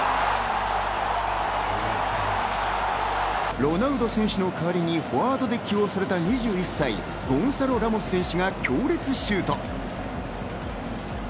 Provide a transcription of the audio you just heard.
ロナウド選手の代わりにフォワードで起用された２１歳、ゴンサロ・ラモス選手が強烈シュート。